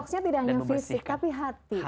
maksudnya tidak hanya fisik tapi hati